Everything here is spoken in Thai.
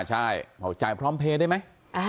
ใช่บอกจ่ายพร้อมเพลย์ได้ไหม